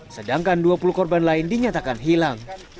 sedangkan dua puluh korban lain dinyatakan hilang